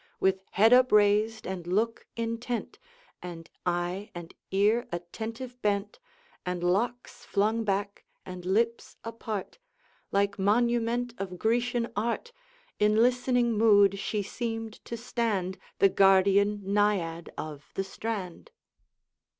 With head upraised, and look intent, And eye and ear attentive bent, And locks flung back, and lips apart, Like monument of Grecian art, In listening mood, she seemed to stand, The guardian Naiad of the strand.